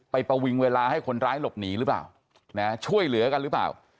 ประวิงเวลาให้คนร้ายหลบหนีหรือเปล่านะช่วยเหลือกันหรือเปล่า